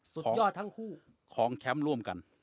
สุดยอดทั้งคู่ของแชมป์ร่วมกัน